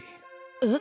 えっ？